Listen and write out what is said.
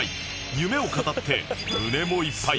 夢を語って胸もいっぱい